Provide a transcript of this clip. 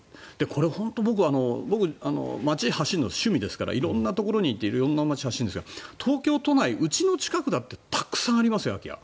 これ本当、僕町を走るの趣味ですから色んなところに行って色んな街を走るんですが東京都内、うちの近くだってたくさんありますよ、空き家。